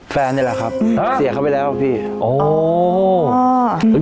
แฟนนี่แหละครับเสียเขาไปแล้วพี่โอ้